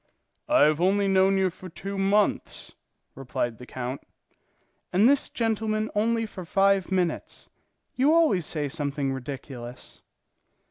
"I have only known you for two months," replied the count. "And this gentleman only for five minutes. You always say something ridiculous."